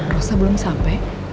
rossa belum sampai